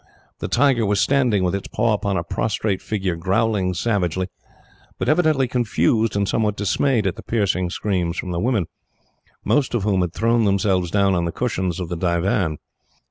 The tiger was standing with its paw upon a prostrate figure, growling savagely, but evidently confused and somewhat dismayed at the piercing screams from the women, most of whom had thrown themselves down on the cushions of the divan.